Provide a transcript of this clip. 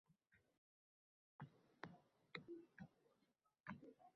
kesatdi